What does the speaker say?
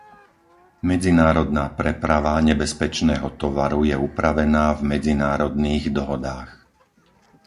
Medzinárodná preprava nebezpečného tovaru je upravená v medzinárodných dohodách.